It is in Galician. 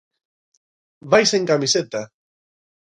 Vai sen camiseta.